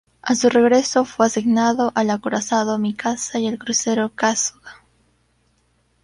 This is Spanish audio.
A su regreso, fue asignado al acorazado Mikasa y al crucero Kasuga.